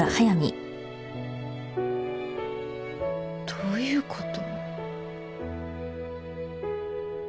どういうこと。